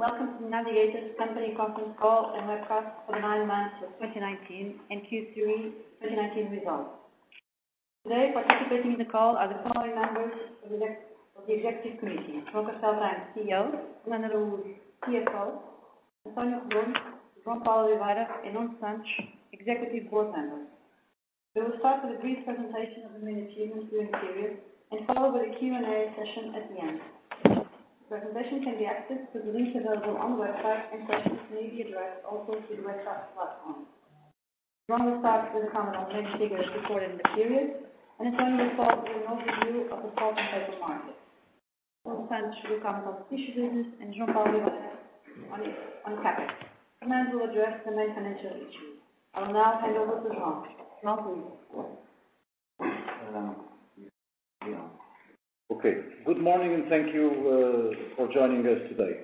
Ladies and gentlemen, welcome to The Navigator Company's conference call and webcast for the nine months of 2019 and Q3 2019 results. Today, participating in the call are the primary members of the executive committee, João Castello Branco, CEO, Helena Rodrigues, CFO, António Redondo, João Paulo Oliveira, and Nuno Santos, Executive Board Members. We will start with a brief presentation of the main achievements during the period, and follow with a Q&A session at the end. The presentation can be accessed through the link available on the website, and questions may be addressed also through the website platform. João will start with a comment on main figures recorded in the period, and António will follow with an overview of the pulp and paper market. Nuno Santos will comment on tissue business, and João Paulo Oliveira on CapEx. Helena will address the main financial issues. I will now hand over to João. João, please. Okay. Good morning, and thank you for joining us today.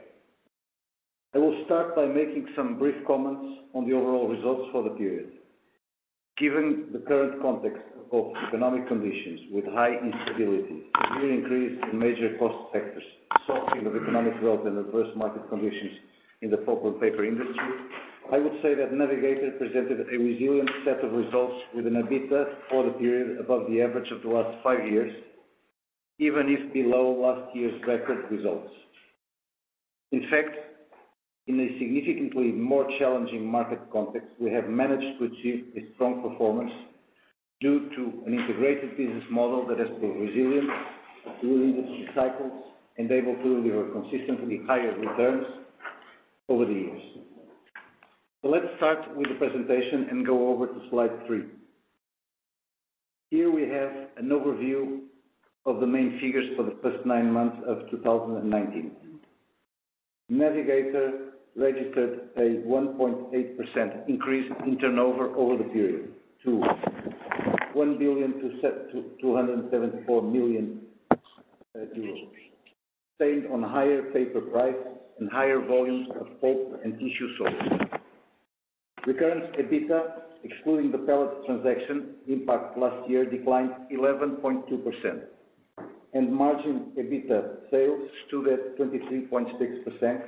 I will start by making some brief comments on the overall results for the period. Given the current context of economic conditions with high instability, a real increase in major cost factors, softening of economic growth, and adverse market conditions in the pulp and paper industry, I would say that Navigator presented a resilient set of results with an EBITDA for the period above the average of the last five years, even if below last year's record results. In fact, in a significantly more challenging market context, we have managed to achieve a strong performance due to an integrated business model that has proved resilient through industry cycles and able to deliver consistently higher returns over the years. Let's start with the presentation and go over to slide three. Here we have an overview of the main figures for the first nine months of 2019. Navigator registered a 1.8% increase in turnover over the period to 1,274,000,000, saved on higher paper price and higher volumes of pulp and tissue sold. Recurrent EBITDA, excluding the pellet transaction impact last year, declined 11.2%, and margin EBITDA sales stood at 23.6%,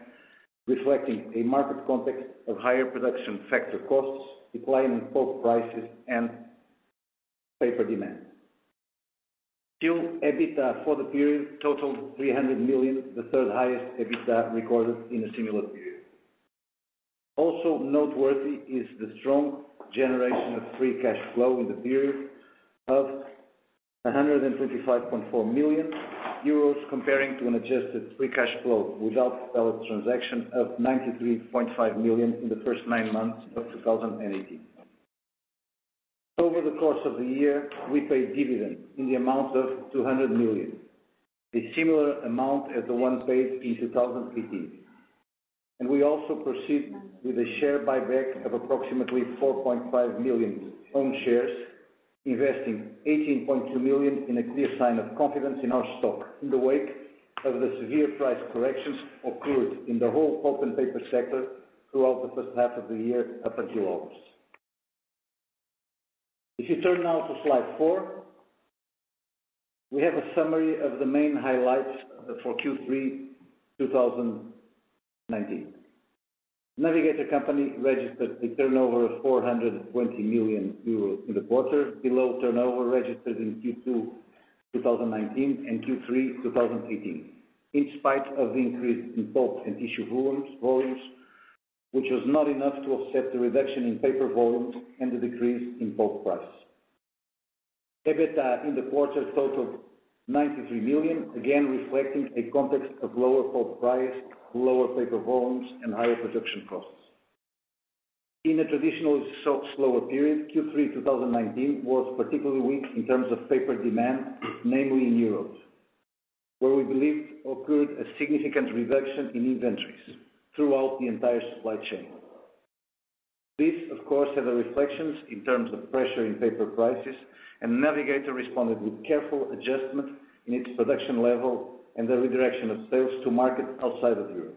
reflecting a market context of higher production factor costs, decline in pulp prices, and paper demand. Still, EBITDA for the period totaled 300 million, the third highest EBITDA recorded in a similar period. Also noteworthy is the strong generation of free cash flow in the period of 125.4 million comparing to an adjusted free cash flow without pellet transaction of 93.5 million in the first nine months of 2018. Over the course of the year, we paid dividend in the amount of 200 million, the similar amount as the one paid in 2018. We also proceed with a share buyback of approximately 4.5 million own shares, investing 18.2 million in a clear sign of confidence in our stock in the wake of the severe price corrections occurred in the whole pulp and paper sector throughout the first half of the year up until August. If you turn now to slide four, we have a summary of the main highlights for Q3 2019. The Navigator Company registered a turnover of 420 million euros in the quarter, below turnover registered in Q2 2019 and Q3 2018. In spite of the increase in pulp and tissue volumes, which was not enough to offset the reduction in paper volumes and the decrease in pulp price. EBITDA in the quarter totaled 93 million, again, reflecting a context of lower pulp price, lower paper volumes, and higher production costs. In a traditional slower period, Q3 2019 was particularly weak in terms of paper demand, namely in Europe, where we believed occurred a significant reduction in inventories throughout the entire supply chain. This, of course, had a reflections in terms of pressure in paper prices. Navigator responded with careful adjustment in its production level and the redirection of sales to market outside of Europe.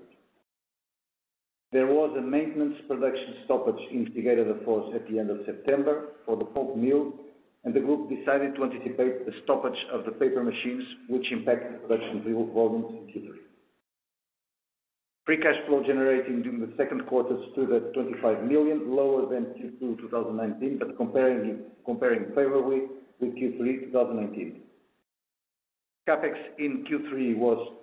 There was a maintenance production stoppage in Figueira da Foz at the end of September for the pulp mill. The group decided to anticipate the stoppage of the paper machines, which impacted production volumes in Q3. Free cash flow generated during the second quarter stood at 25 million, lower than Q2 2019. Comparing favorably with Q3 2019. CapEx in Q3 was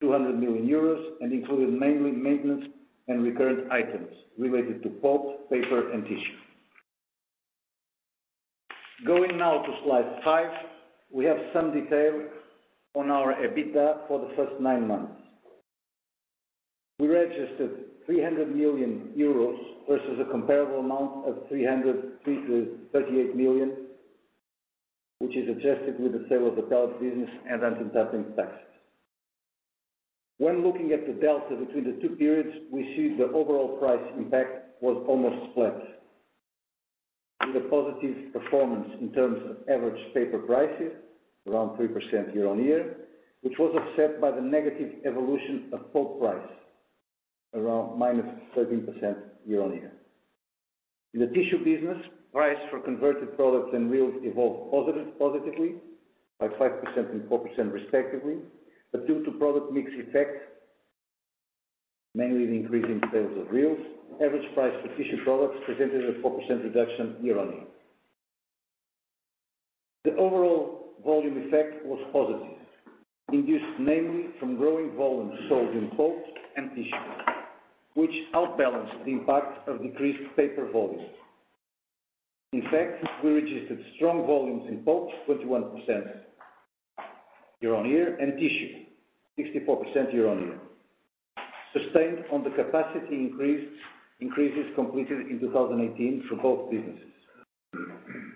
200 million euros and included mainly maintenance and recurrent items related to pulp, paper, and tissue. Going now to slide five, we have some detail on our EBITDA for the first nine months. We registered 300 million euros versus a comparable amount of 338 million, which is adjusted with the sale of the pellet business and income tax. When looking at the delta between the two periods, we see the overall price impact was almost flat. With a positive performance in terms of average paper prices, around 3% year-on-year, which was offset by the negative evolution of pulp price, around -13% year-on-year. In the tissue business, price for converted products and reels evolved positively by 5% and 4% respectively. Due to product mix effect, mainly the increase in sales of reels, average price for tissue products presented a 4% reduction year-on-year. The overall volume effect was positive, induced namely from growing volumes sold in both [pulp and tissue], which outbalanced the impact of decreased paper volumes. We registered strong volumes in pulp, 21% year-on-year, and tissue, 64% year-on-year, sustained on the capacity increases completed in 2018 for both businesses.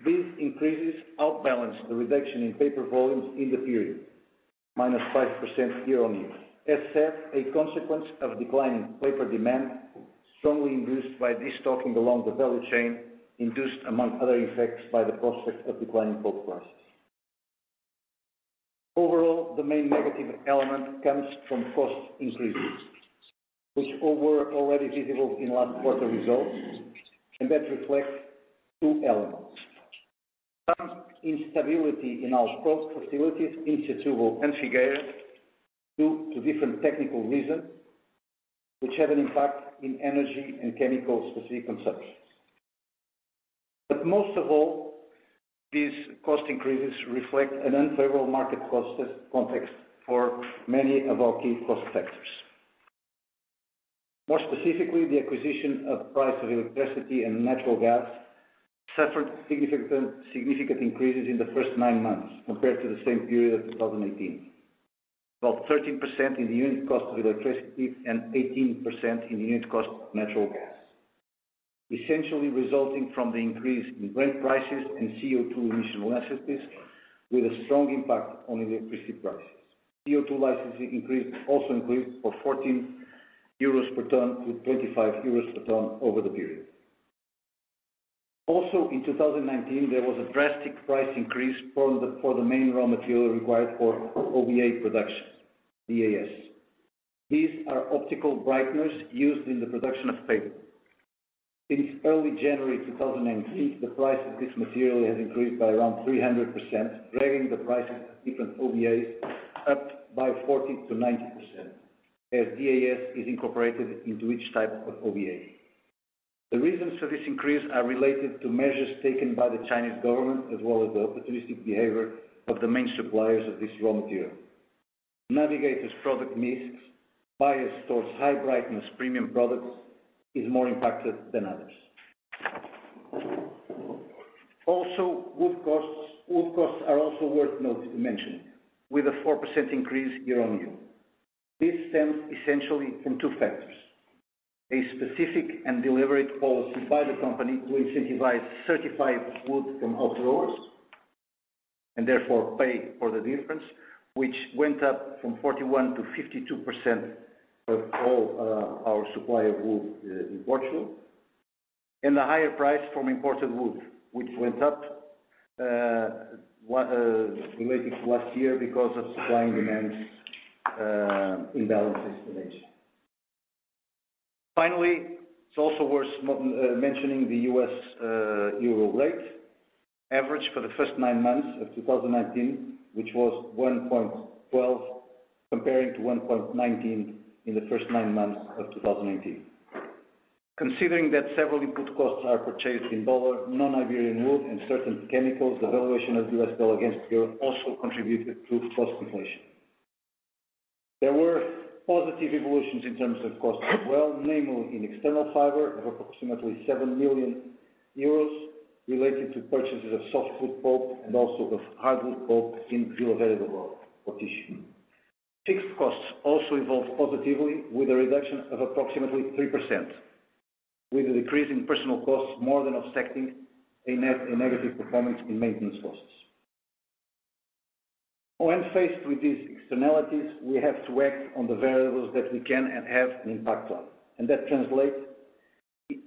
These increases outbalance the reduction in paper volumes in the period, minus 5% year-on-year. A consequence of declining paper demand, strongly induced by destocking along the value chain, induced, among other effects, by the prospect of declining pulp prices. The main negative element comes from cost increases, which were already visible in last quarter results, and that reflects two elements. Some instability in our pulp facilities in Setúbal and Figueira due to different technical reasons, which have an impact in energy and chemical specific consumptions. Most of all, these cost increases reflect an unfavorable market cost context for many of our key cost factors. More specifically, the acquisition of price of electricity and natural gas suffered significant increases in the first nine months compared to the same period of 2018. About 13% in the unit cost of electricity and 18% in the unit cost of natural gas, essentially resulting from the increase in grant prices and CO2 emission licenses, with a strong impact on electricity prices. CO2 licensing increase also increased from €14 per ton to €25 per ton over the period. Also in 2019, there was a drastic price increase for the main raw material required for OBA production, DAS. These are optical brighteners used in the production of paper. Since early January 2019, the price of this material has increased by around 300%, dragging the price of different OBAs up by 40%-90%, as DAS is incorporated into each type of OBA. The reasons for this increase are related to measures taken by the Chinese government, as well as the opportunistic behavior of the main suppliers of this raw material. Navigator's product mix, biased towards high brightness premium products, is more impacted than others. Also, wood costs are also worth mentioning, with a 4% increase year-over-year. This stems essentially from two factors. A specific and deliberate policy by the company to incentivize certified wood from oak growers, and therefore pay for the difference, which went up from 41%-52% of all our supply of wood in Portugal. A higher price from imported wood, which went up related to last year because of supply and demand imbalances today. Finally, it's also worth mentioning the U.S. euro rate average for the first nine months of 2019, which was 1.12, comparing to 1.19 in the first nine months of 2018. Considering that several input costs are purchased in dollar, non-Iberian wood, and certain chemicals, the valuation of U.S. dollar against euro also contributed to cost inflation. There were positive evolutions in terms of cost as well, namely in external fiber, of approximately 7 million euros related to purchases of softwood pulp and also of hardwood pulp in available for tissue. Fixed costs also evolved positively with a reduction of approximately 3%, with the decrease in personal costs more than offsetting a negative performance in maintenance costs. When faced with these externalities, we have to act on the variables that we can and have an impact on, and that translates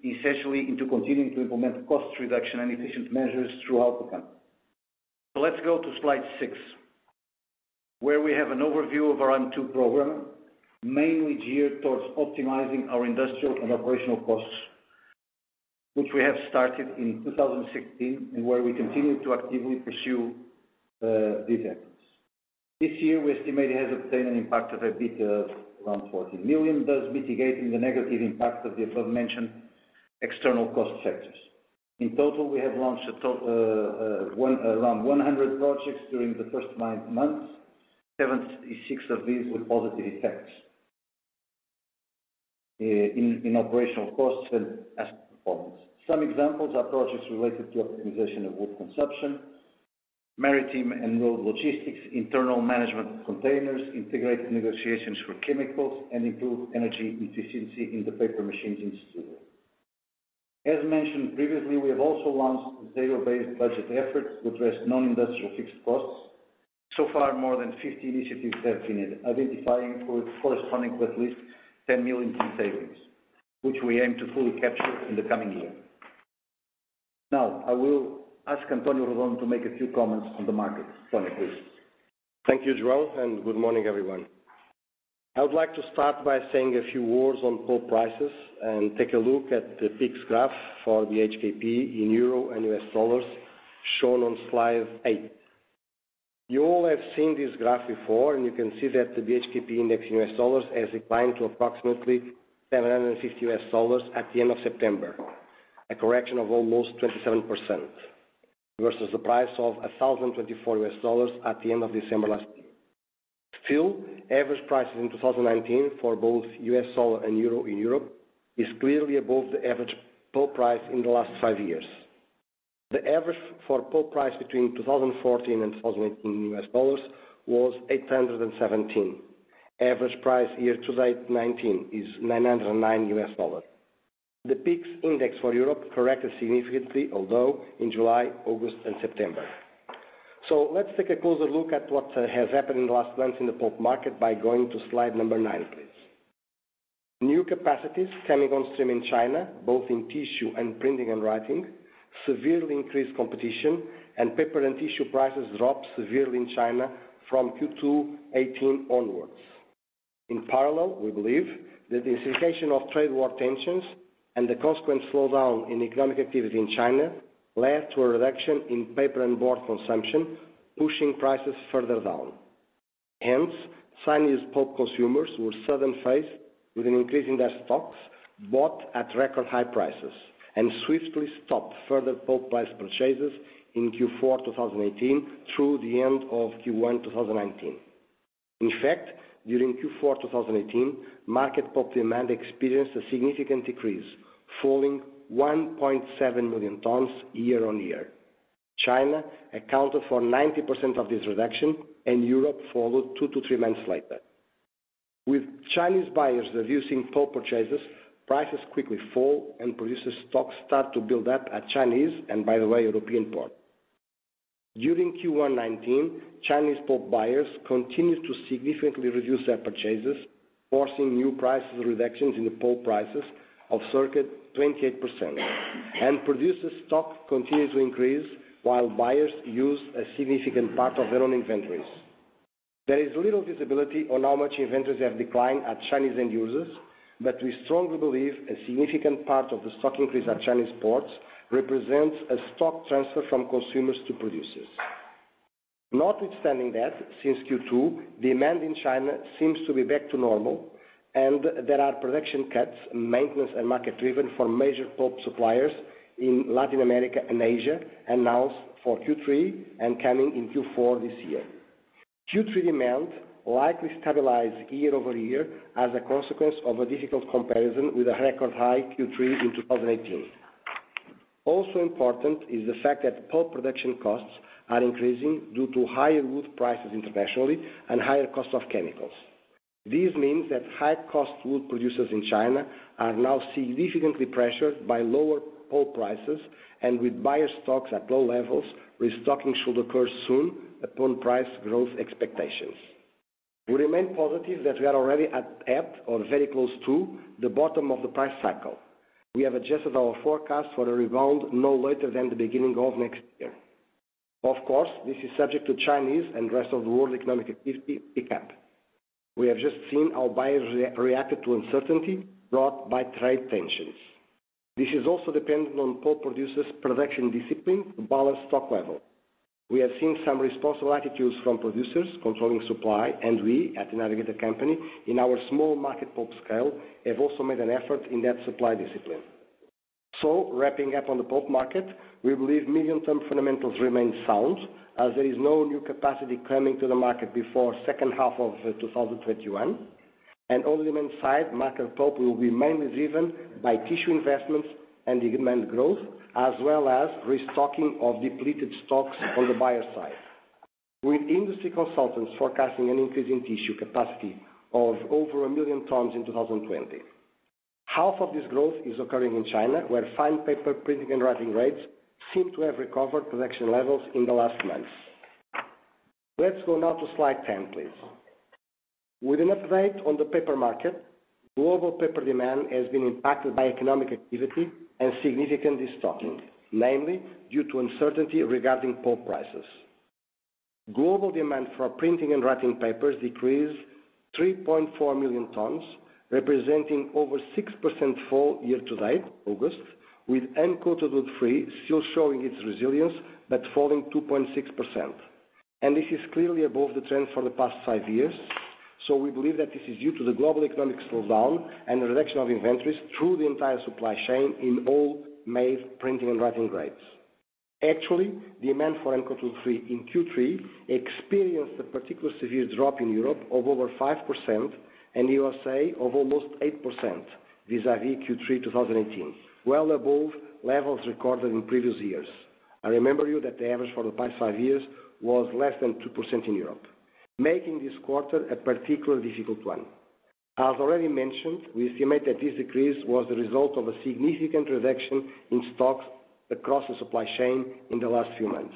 essentially into continuing to implement cost reduction and efficient measures throughout the company. Let's go to slide six, where we have an overview of our M2 program, mainly geared towards optimizing our industrial and operational costs, which we have started in 2016 and where we continue to actively pursue these efforts. This year, we estimate it has obtained an impact of EBITDA of around 14 million, thus mitigating the negative impact of the aforementioned external cost sectors. In total, we have launched around 100 projects during the first nine months, 76 of these with positive effects in operational costs and asset performance. Some examples are projects related to optimization of wood consumption, maritime and road logistics, internal management of containers, integrated negotiations for chemicals, and improved energy efficiency in the paper machines in Setúbal. As mentioned previously, we have also launched zero-based budget efforts to address non-industrial fixed costs. Far, more than 50 initiatives have been identifying, corresponding to at least 10 million in savings, which we aim to fully capture in the coming year. I will ask António Redondo to make a few comments on the market. António, please. Thank you, João, and good morning, everyone. I would like to start by saying a few words on pulp prices and take a look at the PIX graph for the BHKP in EUR and U.S. dollars shown on slide eight. You all have seen this graph before, and you can see that the BHKP index in U.S. dollars has declined to approximately $750 at the end of September. A correction of almost 27% versus the price of $1,024 at the end of December last year. Still, average prices in 2019 for both U.S. dollar and EUR in Europe is clearly above the average pulp price in the last five years. The average for pulp price between 2014 and 2018 in U.S. dollars was $817. Average price year to date 2019 is $909. The PIX index for Europe corrected significantly, although in July, August, and September. Let's take a closer look at what has happened in the last months in the pulp market by going to slide number nine, please. New capacities coming on stream in China, both in tissue and printing and writing, severely increased competition and paper and tissue prices dropped severely in China from Q2 2018 onwards. In parallel, we believe that the incitation of trade war tensions and the consequent slowdown in economic activity in China led to a reduction in paper and board consumption, pushing prices further down. Hence, Chinese pulp consumers were sudden faced with an increase in their stocks bought at record high prices and swiftly stopped further pulp price purchases in Q4 2018 through the end of Q1 2019. In fact, during Q4 2018, market pulp demand experienced a significant decrease, falling 1.7 million tons year-on-year. China accounted for 90% of this reduction. Europe followed two to three months later. With Chinese buyers reducing pulp purchases, prices quickly fall and producer stocks start to build up at Chinese, and by the way, European port. During Q1 2019, Chinese pulp buyers continued to significantly reduce their purchases, forcing new prices reductions in the pulp prices of circa 28%. Producer stock continued to increase while buyers used a significant part of their own inventories. There is little visibility on how much inventories have declined at Chinese end users. We strongly believe a significant part of the stock increase at Chinese ports represents a stock transfer from consumers to producers. Notwithstanding that, since Q2, demand in China seems to be back to normal, and there are production cuts, maintenance, and market-driven for major pulp suppliers in Latin America and Asia announced for Q3 and coming in Q4 this year. Q3 demand likely stabilized year-over-year as a consequence of a difficult comparison with a record high Q3 in 2018. Also important is the fact that pulp production costs are increasing due to higher wood prices internationally and higher cost of chemicals. This means that high-cost wood producers in China are now significantly pressured by lower pulp prices, and with buyer stocks at low levels, restocking should occur soon upon price growth expectations. We remain positive that we are already at, or very close to, the bottom of the price cycle. We have adjusted our forecast for a rebound no later than the beginning of next year. Of course, this is subject to Chinese and rest of the world economic activity pick up. We have just seen how buyers reacted to uncertainty brought by trade tensions. This is also dependent on pulp producers' production discipline to balance stock level. We have seen some responsible attitudes from producers controlling supply, and we, at The Navigator Company, in our small market pulp scale, have also made an effort in that supply discipline. Wrapping up on the pulp market, we believe medium-term fundamentals remain sound as there is no new capacity coming to the market before second half of 2021. On demand side, market pulp will be mainly driven by tissue investments and demand growth, as well as restocking of depleted stocks on the buyer side. With industry consultants forecasting an increase in tissue capacity of over 1 million tons in 2020. Half of this growth is occurring in China, where fine paper printing and writing grades seem to have recovered production levels in the last months. Let's go now to slide 10, please. With an update on the paper market, global paper demand has been impacted by economic activity and significant destocking, namely due to uncertainty regarding pulp prices. Global demand for printing and writing papers decreased 3.4 million tons, representing over 6% fall year to date, August, with uncoated wood-free still showing its resilience, but falling 2.6%. This is clearly above the trend for the past five years, so we believe that this is due to the global economic slowdown and the reduction of inventories through the entire supply chain in all made printing and writing grades. Actually, demand for uncoated freesheet in Q3 experienced a particularly severe drop in Europe of over 5% and U.S.A. of almost 8% vis-à-vis Q3 2018, well above levels recorded in previous years. I remember you that the average for the past five years was less than 2% in Europe, making this quarter a particularly difficult one. As already mentioned, we estimate that this decrease was the result of a significant reduction in stocks across the supply chain in the last few months.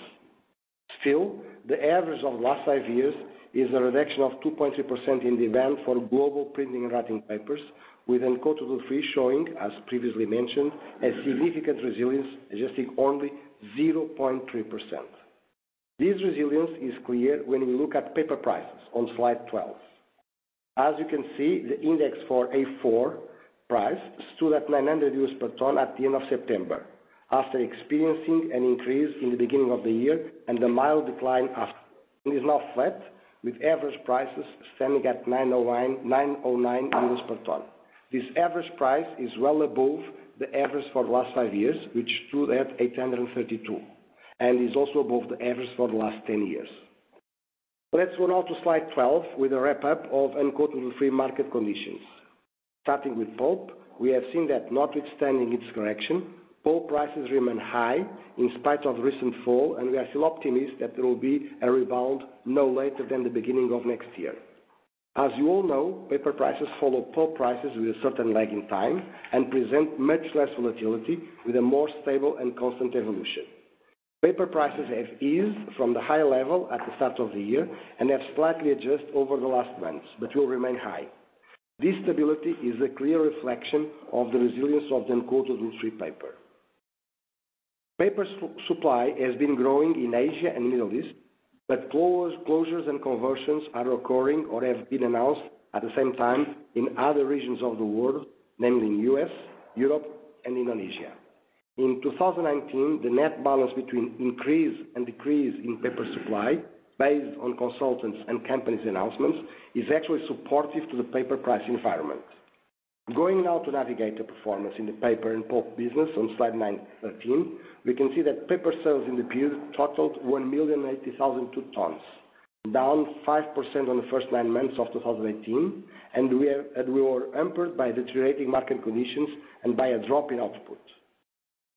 Still, the average of last five years is a reduction of 2.3% in demand for global printing and writing papers, with uncoated woodfree showing, as previously mentioned, a significant resilience, adjusting only 0.3%. This resilience is clear when we look at paper prices on Slide 12. As you can see, the index for A4 price stood at 900 euros per ton at the end of September, after experiencing an increase in the beginning of the year and a mild decline after. It is now flat, with average prices standing at 909 euros per ton. This average price is well above the average for the last five years, which stood at 832, and is also above the average for the last 10 years. Let's go now to Slide 12 with a wrap-up of uncoated free market conditions. Starting with pulp, we have seen that notwithstanding its correction, pulp prices remain high in spite of recent fall. We are still optimistic that there will be a rebound no later than the beginning of next year. As you all know, paper prices follow pulp prices with a certain lag in time and present much less volatility with a more stable and constant evolution. Paper prices have eased from the high level at the start of the year and have slightly adjusted over the last months, but will remain high. This stability is a clear reflection of the resilience of the uncoated free paper. Paper supply has been growing in Asia and Middle East, but closures and conversions are occurring or have been announced at the same time in other regions of the world, namely in U.S., Europe, and Indonesia. In 2019, the net balance between increase and decrease in paper supply, based on consultants and companies' announcements, is actually supportive to the paper price environment. Going now to navigate the performance in the paper and pulp business on Slide 13, we can see that paper sales in the period totaled 1,080,002 tons, down 5% on the first nine months of 2018. We were hampered by deteriorating market conditions and by a drop in output.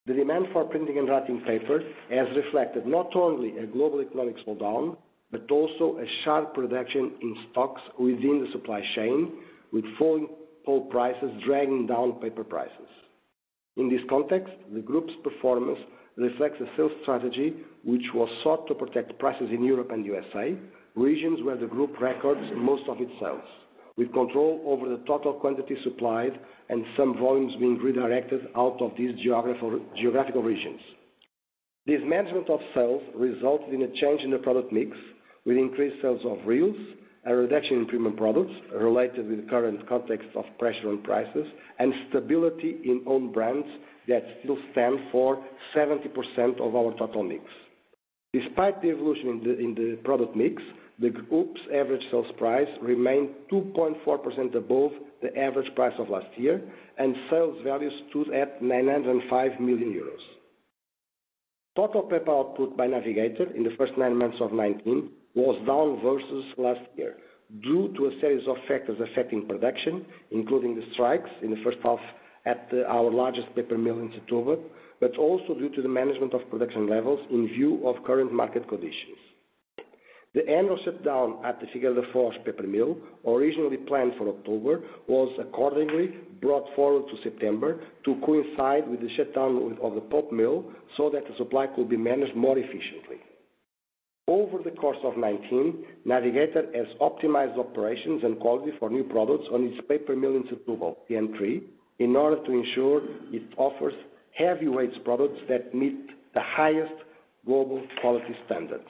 The demand for printing and writing paper has reflected not only a global economic slowdown, but also a sharp reduction in stocks within the supply chain, with falling pulp prices dragging down paper prices. In this context, the group's performance reflects a sales strategy which was sought to protect prices in Europe and U.S.A., regions where the group records most of its sales, with control over the total quantity supplied and some volumes being redirected out of these geographical regions. This management of sales resulted in a change in the product mix with increased sales of reels, a reduction in premium products related with the current context of pressure on prices, and stability in own brands that still stand for 70% of our total mix. Despite the evolution in the product mix, the group's average sales price remained 2.4% above the average price of last year, and sales value stood at 905 million euros. Total paper output by Navigator in the first nine months of 2019 was down versus last year due to a series of factors affecting production, including the strikes in the first half at our largest paper mill in Setúbal, but also due to the management of production levels in view of current market conditions. The annual shutdown at the Figueira da Foz paper mill, originally planned for October, was accordingly brought forward to September to coincide with the shutdown of the pulp mill so that the supply could be managed more efficiently. Over the course of 2019, Navigator has optimized operations and quality for new products on its paper mill in Setúbal, PM3, in order to ensure it offers heavyweights products that meet the highest global quality standards.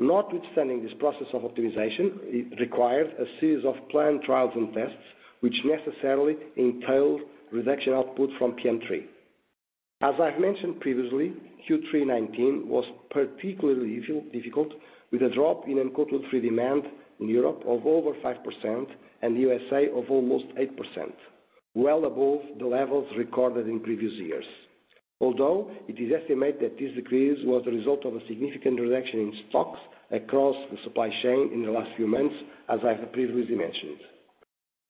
Notwithstanding this process of optimization, it required a series of planned trials and tests, which necessarily entailed reduction output from PM3. As I've mentioned previously, Q3 2019 was particularly difficult, with a drop in uncoated free demand in Europe of over 5% and the U.S.A. of almost 8%, well above the levels recorded in previous years. It is estimated that this decrease was a result of a significant reduction in stocks across the supply chain in the last few months, as I have previously mentioned.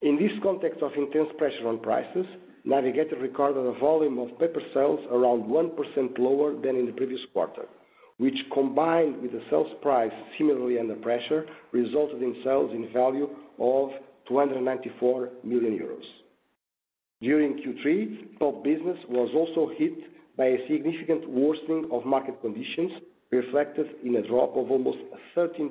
In this context of intense pressure on prices, Navigator recorded a volume of paper sales around 1% lower than in the previous quarter, which combined with the sales price similarly under pressure, resulted in sales in value of 294 million euros. During Q3, pulp business was also hit by a significant worsening of market conditions, reflected in a drop of almost 13%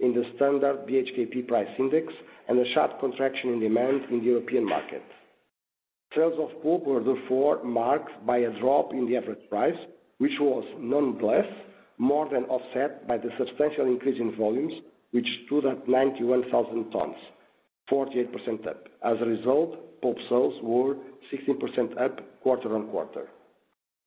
in the standard BHKP price index and a sharp contraction in demand in the European market. Sales of pulp were marked by a drop in the average price, which was nonetheless more than offset by the substantial increase in volumes, which stood at 91,000 tons, 48% up. As a result, pulp sales were 16% up quarter-on-quarter.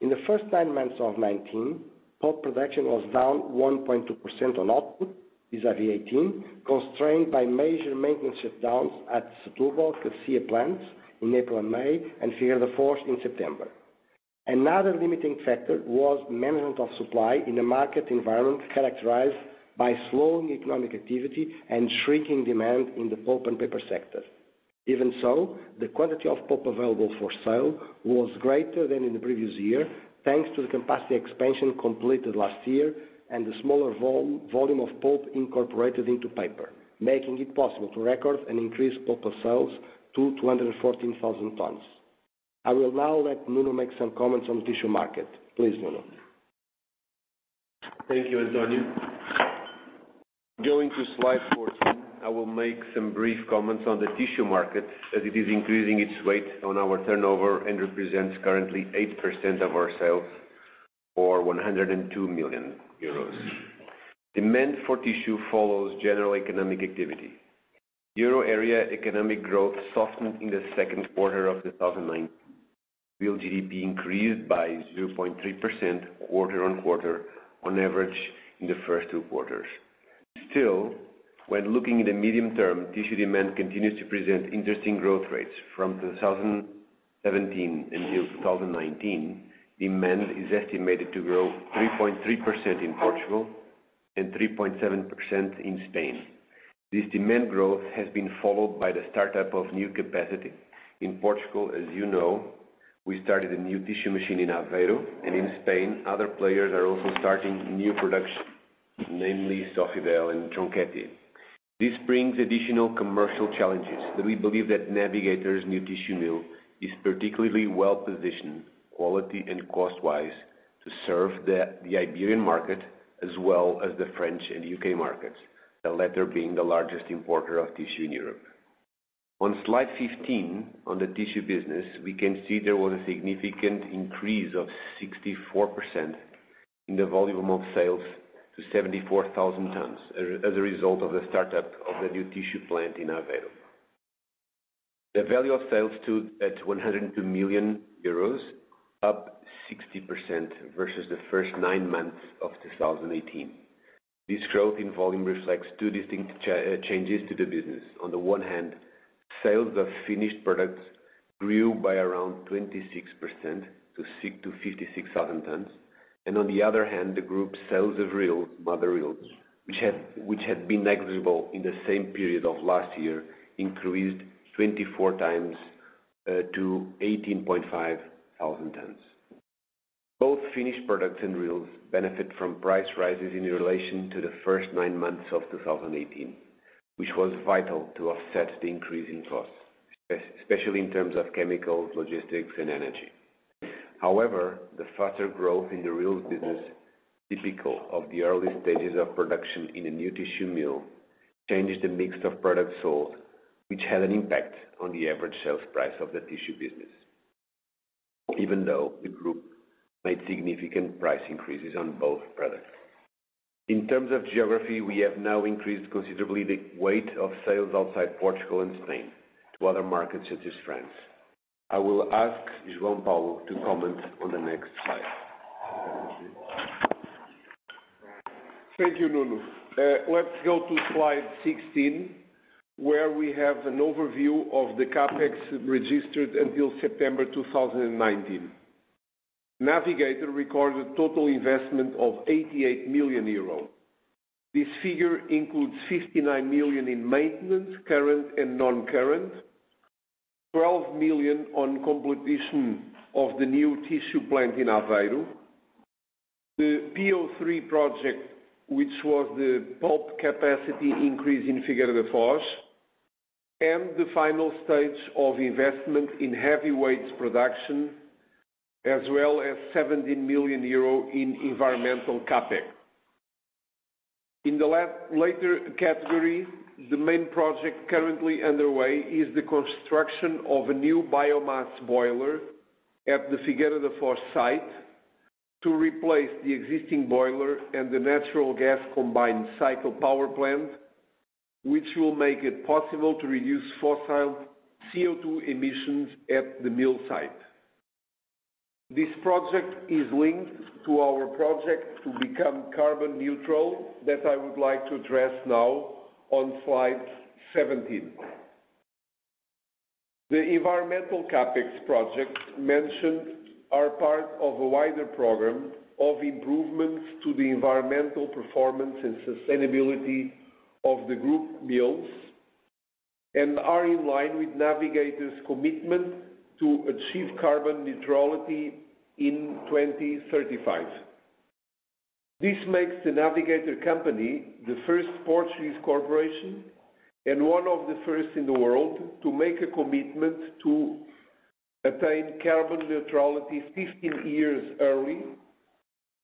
In the first nine months of 2019, pulp production was down 1.2% on output vis-à-vis 2018, constrained by major maintenance shutdowns at Setúbal Cacia plant in April and May, and Figueira da Foz in September. Another limiting factor was management of supply in a market environment characterized by slowing economic activity and shrinking demand in the pulp and paper sector. Even so, the quantity of pulp available for sale was greater than in the previous year, thanks to the capacity expansion completed last year and the smaller volume of pulp incorporated into paper, making it possible to record an increased pulp of sales to 214,000 tons. I will now let Nuno make some comments on the tissue market. Please, Nuno. Thank you, António. Going to slide 14, I will make some brief comments on the tissue market as it is increasing its weight on our turnover and represents currently 8% of our sales or 102 million euros. Demand for tissue follows general economic activity. Euro area economic growth softened in the second quarter of 2019. Real GDP increased by 0.3% quarter on quarter on average in the first two quarters. Still, when looking in the medium term, tissue demand continues to present interesting growth rates. From 2017 until 2019, demand is estimated to grow 3.3% in Portugal and 3.7% in Spain. This demand growth has been followed by the startup of new capacity. In Portugal, as you know, we started a new tissue machine in Aveiro, and in Spain, other players are also starting new production, namely Sofidel and Tronchetti. This brings additional commercial challenges. We believe that Navigator's new tissue mill is particularly well-positioned, quality and cost-wise, to serve the Iberian market as well as the French and U.K. markets, the latter being the largest importer of tissue in Europe. On slide 15 on the tissue business, we can see there was a significant increase of 64% in the volume of sales to 74,000 tons as a result of the startup of the new tissue plant in Aveiro. The value of sales stood at 102 million euros, up 60% versus the first nine months of 2018. This growth in volume reflects two distinct changes to the business. On the one hand, sales of finished products grew by around 26% to 56,000 tons. On the other hand, the group sales of reels, mother reels, which had been negligible in the same period of last year, increased 24 times to 18,500 tons. Both finished products and reels benefit from price rises in relation to the first nine months of 2018, which was vital to offset the increase in costs, especially in terms of chemicals, logistics, and energy. However, the faster growth in the reels business, typical of the early stages of production in a new tissue mill, changed the mix of products sold, which had an impact on the average sales price of the tissue business, even though the group made significant price increases on both products. In terms of geography, we have now increased considerably the weight of sales outside Portugal and Spain to other markets such as France. I will ask João Paulo to comment on the next slide. Thank you, Nuno. Let's go to slide 16, where we have an overview of the CapEx registered until September 2019. Navigator recorded total investment of 88 million euros. This figure includes 59 million in maintenance, current and non-current, 12 million on completion of the new tissue plant in Aveiro, the PO3 project, which was the pulp capacity increase in Figueira da Foz, and the final stage of investment in heavy weights production, as well as 17 million euro in environmental CapEx. In the latter category, the main project currently underway is the construction of a new biomass boiler at the Figueira da Foz site to replace the existing boiler and the natural gas combined cycle power plant, which will make it possible to reduce fossil CO2 emissions at the mill site. This project is linked to our project to become carbon neutral that I would like to address now on slide 17. The environmental CapEx projects mentioned are part of a wider program of improvements to the environmental performance and sustainability of the group mills and are in line with Navigator's commitment to achieve carbon neutrality in 2035. This makes The Navigator Company the first Portuguese corporation and one of the first in the world to make a commitment to attain carbon neutrality 15 years early,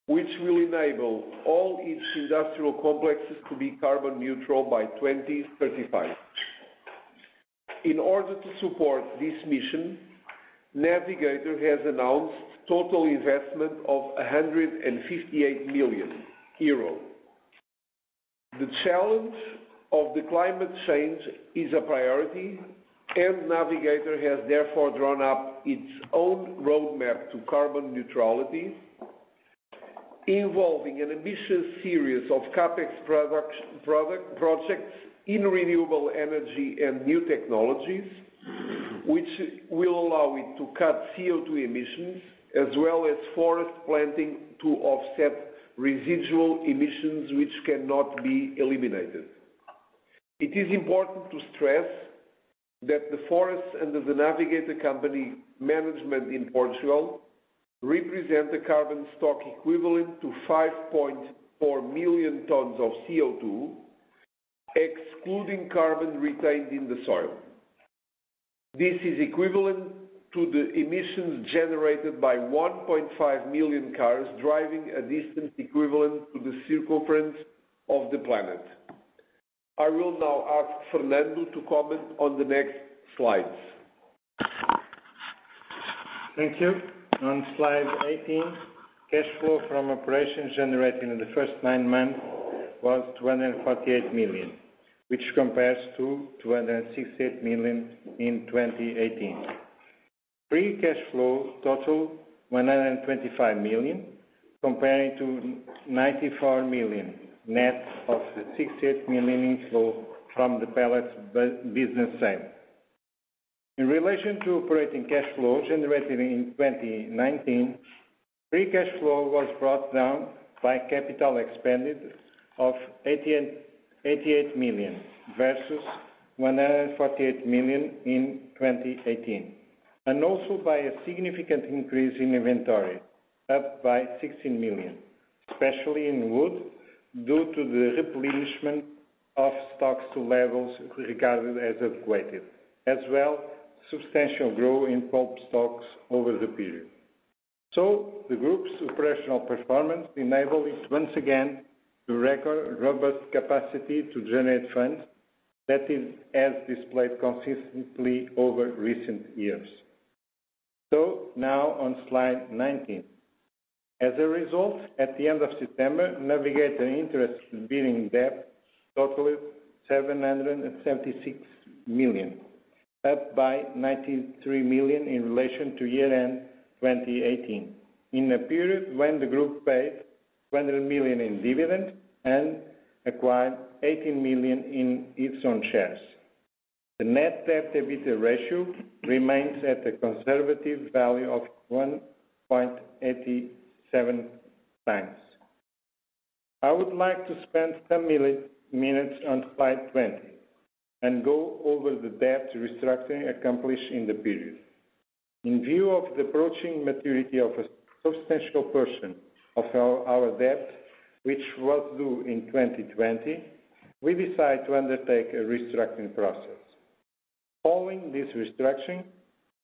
which will enable all its industrial complexes to be carbon neutral by 2035. In order to support this mission, Navigator has announced total investment of 158 million euros. The challenge of climate change is a priority, Navigator has therefore drawn up its own roadmap to carbon neutrality, involving an ambitious series of CapEx projects in renewable energy and new technologies, which will allow it to cut CO2 emissions as well as forest planting to offset residual emissions which cannot be eliminated. It is important to stress that the forests under The Navigator Company management in Portugal represent a carbon stock equivalent to 5.4 million tons of CO2, excluding carbon retained in the soil. This is equivalent to the emissions generated by 1.5 million cars driving a distance equivalent to the circumference of the planet. I will now ask Fernando to comment on the next slides. Thank you. On slide 18, cash flow from operations generated in the first nine months was 248 million, which compares to 268 million in 2018. Free cash flow totaled 125 million, comparing to 94 million, net of the 68 million inflow from the pellets business sale. In relation to operating cash flows generated in 2019, free cash flow was brought down by capital expended of 88 million versus 148 million in 2018, and also by a significant increase in inventory, up by 16 million, especially in wood, due to the replenishment of stocks to levels regarded as adequate, as well substantial growth in pulp stocks over the period. The group's operational performance enabled it once again to record robust capacity to generate funds that it has displayed consistently over recent years. Now on slide 19. As a result, at the end of September, Navigator interest-bearing debt totaled 776 million, up by 93 million in relation to year-end 2018, in a period when the group paid 200 million in dividends and acquired 80 million in its own shares. The net debt-to-EBITDA ratio remains at a conservative value of 1.87 times. I would like to spend some minutes on slide 20 and go over the debt restructuring accomplished in the period. In view of the approaching maturity of a substantial portion of our debt, which was due in 2020, we decided to undertake a restructuring process. Following this restructuring,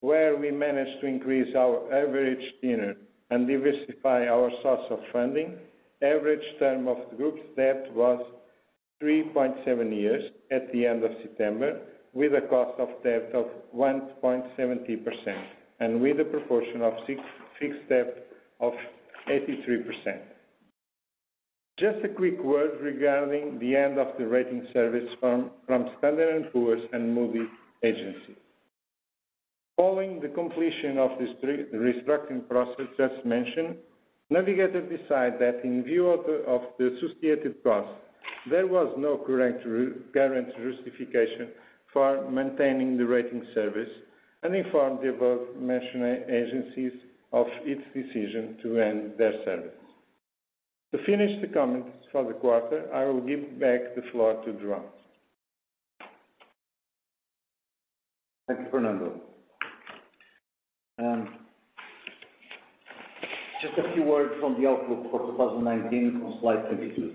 where we managed to increase our average tenure and diversify our source of funding, average term of the group's debt was 3.7 years at the end of September, with a cost of debt of 1.70%, and with a proportion of fixed debt of 83%. Just a quick word regarding the end of the rating service firm from Standard & Poor's and Moody's agencies. Following the completion of this restructuring process just mentioned, Navigator decided that in view of the associated costs, there was no current justification for maintaining the rating service and informed the above-mentioned agencies of its decision to end their service. To finish the comments for the quarter, I will give back the floor to João. Thank you, Fernando. Just a few words on the outlook for 2019 on slide 22.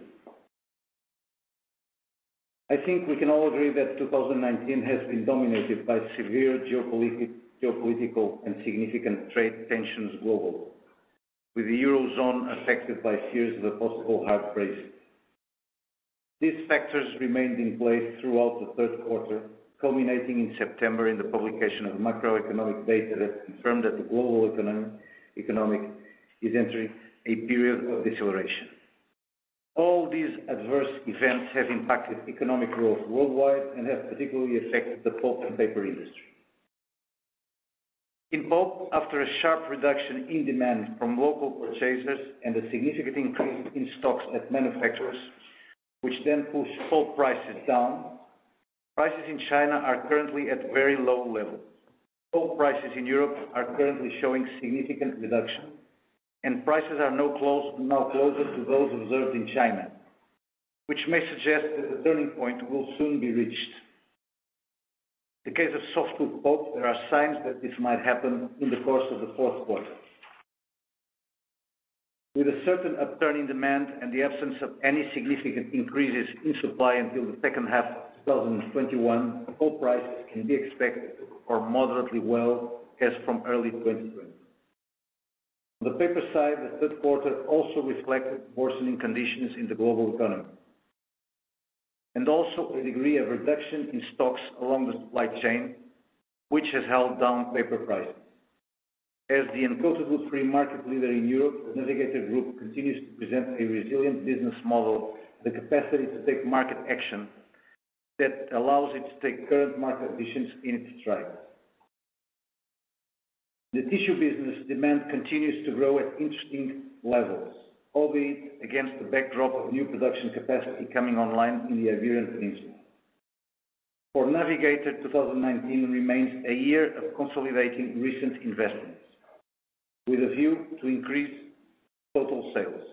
I think we can all agree that 2019 has been dominated by severe geopolitical and significant trade tensions globally, with the Eurozone affected by fears of a possible hard Brexit. These factors remained in place throughout the third quarter, culminating in September in the publication of macroeconomic data that confirmed that the global economy is entering a period of deceleration. All these adverse events have impacted economic growth worldwide and have particularly affected the pulp and paper industry. In pulp, after a sharp reduction in demand from local purchasers and a significant increase in stocks at manufacturers, which then pushed pulp prices down, prices in China are currently at very low levels. Pulp prices in Europe are currently showing significant reduction, and prices are now closer to those observed in China, which may suggest that the turning point will soon be reached. In the case of softwood pulp, there are signs that this might happen in the course of the fourth quarter. With a certain upturn in demand and the absence of any significant increases in supply until the second half of 2021, pulp prices can be expected to perform moderately well as from early 2020. On the paper side, the third quarter also reflected worsening conditions in the global economy, and also a degree of reduction in stocks along the supply chain, which has held down paper prices. As the uncoated wood-free market leader in Europe, Navigator Group continues to present a resilient business model with the capacity to take market action that allows it to take current market conditions in its stride. In the tissue business, demand continues to grow at interesting levels, albeit against the backdrop of new production capacity coming online in the Iberian Peninsula. For Navigator, 2019 remains a year of consolidating recent investments with a view to increase total sales.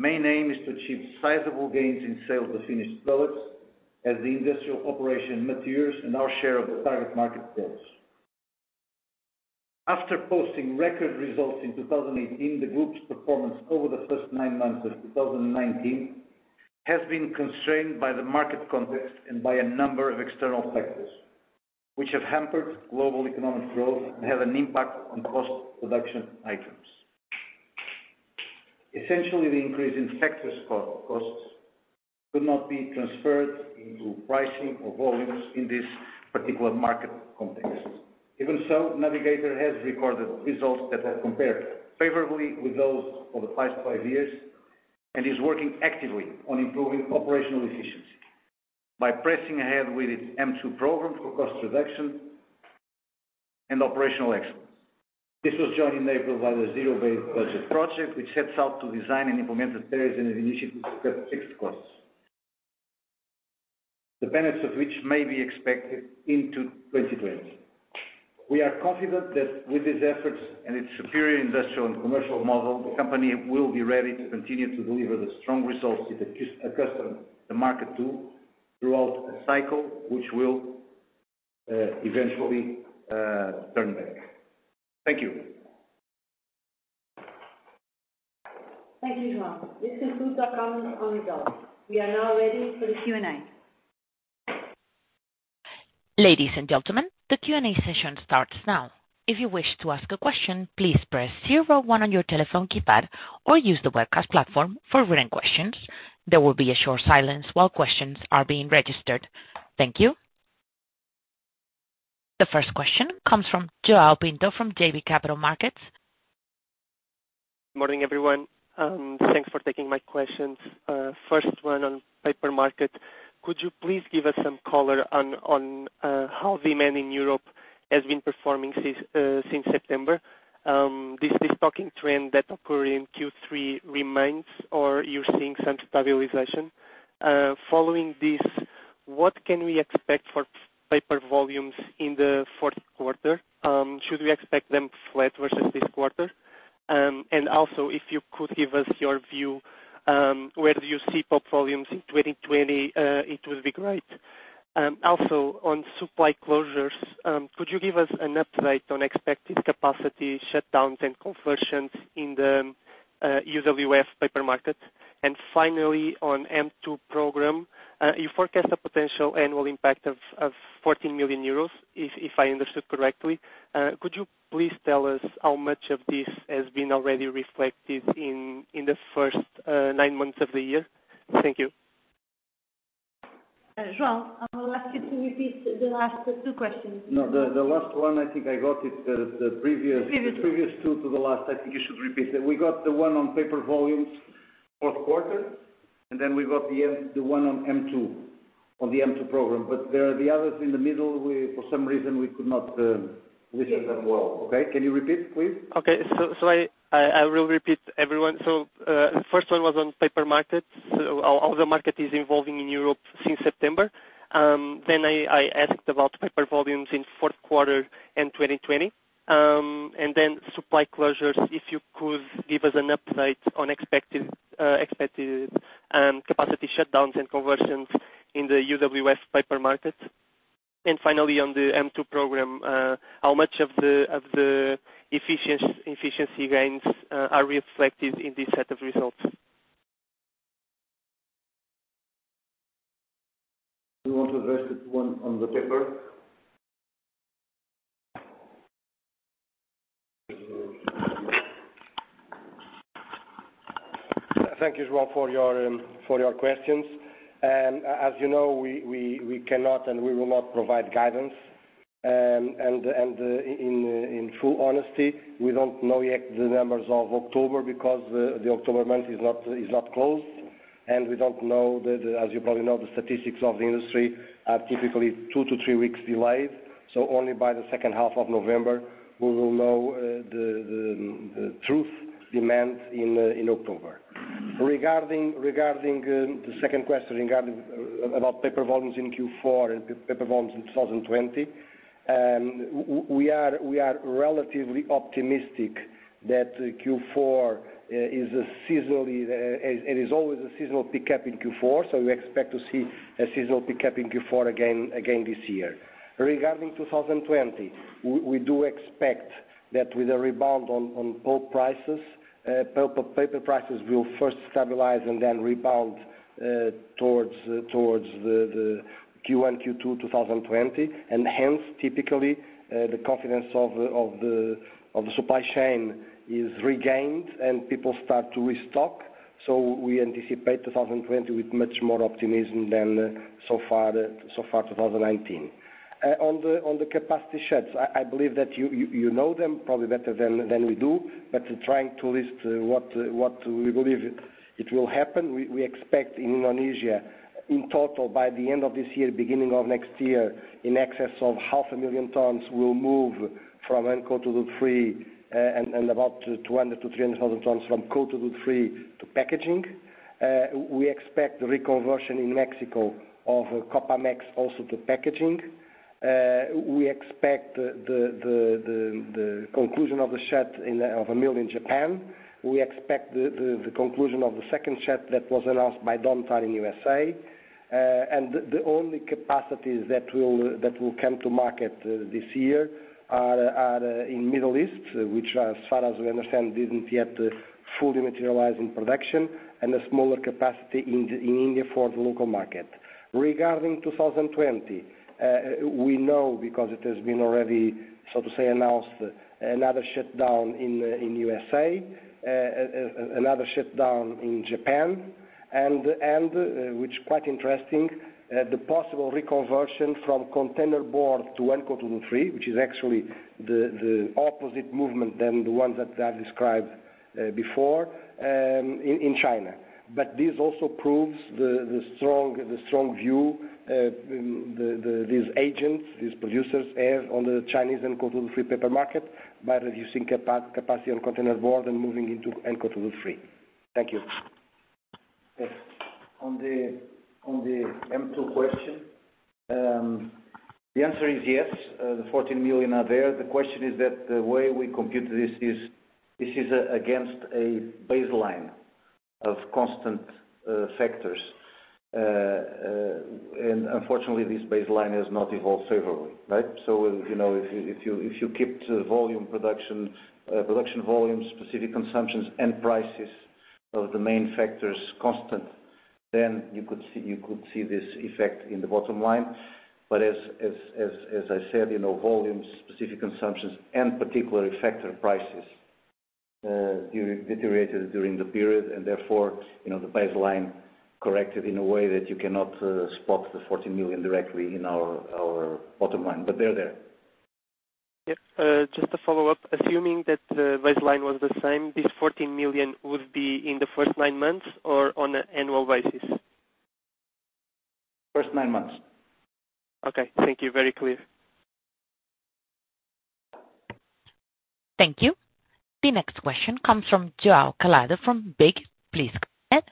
Main aim is to achieve sizable gains in sales of finished products as the industrial operation matures and our share of the target market grows. After posting record results in 2018, the group's performance over the first nine months of 2019 has been constrained by the market context and by a number of external factors, which have hampered global economic growth and have an impact on cost reduction items. Essentially, the increase in factors costs could not be transferred into pricing or volumes in this particular market context. Even so, Navigator has recorded results that have compared favorably with those for the past five years, and is working actively on improving operational efficiency by pressing ahead with its M2 program for cost reduction and operational excellence. This was joined in April by the zero-based budget project, which sets out to design and implement the various initiatives to cut fixed costs, the benefits of which may be expected into 2020. We are confident that with these efforts and its superior industrial and commercial model, the company will be ready to continue to deliver the strong results it accustomed the market to throughout the cycle, which will eventually turn back. Thank you. Thank you, João. This concludes our comments on results. We are now ready for the Q&A. Ladies and gentlemen, the Q&A session starts now. If you wish to ask a question, please press 01 on your telephone keypad or use the webcast platform for written questions. There will be a short silence while questions are being registered. Thank you. The first question comes from João Pinto from JB Capital Markets. Morning, everyone. Thanks for taking my questions. First one on paper market, could you please give us some color on how demand in Europe has been performing since September? Does this stocking trend that occurred in Q3 remain, or are you seeing some stabilization? Following this, what can we expect for paper volumes in the fourth quarter? Should we expect them flat versus this quarter? Also, if you could give us your view where do you see pulp volumes in 2020, it would be great. Also, on supply closures, could you give us an update on expected capacity shutdowns and conversions in the UWF paper market? Finally, on M2 program, you forecast a potential annual impact of 14 million euros, if I understood correctly. Could you please tell us how much of this has been already reflected in the first nine months of the year? Thank you. João, I will ask you to repeat the last two questions. No, the last one, I think I got it. The previous one. The previous two to the last, I think you should repeat. We got the one on paper volumes fourth quarter, and then we got the one on the M2 program. There are the others in the middle, for some reason we could not listen them well. Okay. Can you repeat, please? Okay. I will repeat every one. The first one was on paper markets. How the market is evolving in Europe since September. I asked about paper volumes in fourth quarter and 2020. Supply closures, if you could give us an update on expected capacity shutdowns and conversions in the UWF paper market. Finally, on the M2 program, how much of the efficiency gains are reflected in this set of results? You want to address the one on the paper? Thank you, João, for your questions. As you know, we cannot, we will not provide guidance. In true honesty, we don't know yet the numbers of October because the October month is not closed, as you probably know, the statistics of the industry are typically two to three weeks delayed. Only by the second half of November we will know the truth demand in October. Regarding the second question about paper volumes in Q4 and paper volumes in 2020, we are relatively optimistic that Q4 is always a seasonal pickup in Q4, we expect to see a seasonal pickup in Q4 again this year. Regarding 2020, we do expect that with a rebound on pulp prices, paper prices will first stabilize and then rebound towards the Q1, Q2 2020. Hence, typically, the confidence of the supply chain is regained and people start to restock. We anticipate 2020 with much more optimism than so far 2019. On the capacity sheds, I believe that you know them probably better than we do, but trying to list what we believe it will happen. We expect in Indonesia, in total, by the end of this year, beginning of next year, in excess of half a million tons will move from UCO to L3 and about 200,000-300,000 tons from CO to L3 to packaging. We expect the reconversion in Mexico of Copamex also to packaging. We expect the conclusion of a shut of a mill in Japan. We expect the conclusion of the second shut that was announced by Domtar in USA, and the only capacities that will come to market this year are in Middle East, which as far as we understand, didn't yet fully materialize in production, and a smaller capacity in India for the local market. Regarding 2020, we know because it has been already, so to say, announced another shutdown in USA, another shutdown in Japan. Which is quite interesting, the possible reconversion from containerboard to uncoated free, which is actually the opposite movement than the ones that I described before in China. This also proves the strong view these agents, these producers have on the Chinese uncoated free paper market by reducing capacity on containerboard and moving into uncoated free. Thank you. Yes. On the M2 question, the answer is yes, the 14 million are there. The question is that the way we compute this is, this is against a baseline of constant factors. Unfortunately, this baseline has not evolved favorably. If you kept volume production volumes, specific consumptions and prices of the main factors constant, then you could see this effect in the bottom line. As I said, volumes, specific consumptions, and particularly factor prices deteriorated during the period, and therefore, the baseline corrected in a way that you cannot spot the 14 million directly in our bottom line, but they're there. Yep. Just to follow up, assuming that baseline was the same, this 14 million would be in the first nine months or on an annual basis? First nine months. Okay. Thank you. Very clear. Thank you. The next question comes from João Calado from BiG. Please go ahead.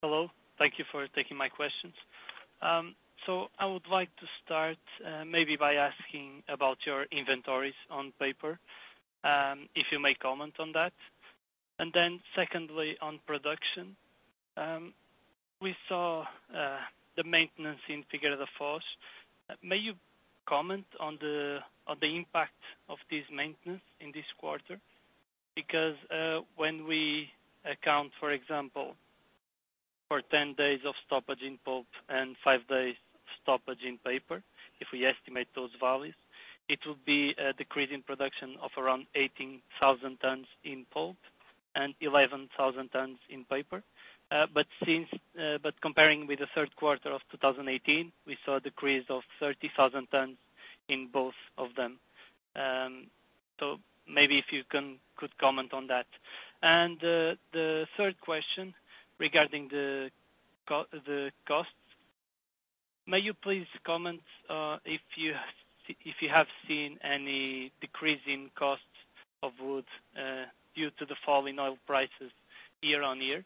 Hello. Thank you for taking my questions. I would like to start maybe by asking about your inventories on paper, if you may comment on that. Then secondly, on production. We saw the maintenance in Figueira da Foz. May you comment on the impact of this maintenance in this quarter? When we account, for example, for 10 days of stoppage in pulp and five days stoppage in paper, if we estimate those values, it would be a decrease in production of around 18,000 tons in pulp and 11,000 tons in paper. Comparing with the third quarter of 2018, we saw a decrease of 30,000 tons in both of them. Maybe if you could comment on that. The third question regarding the costs. May you please comment if you have seen any decrease in costs of wood, due to the fall in oil prices year-on-year?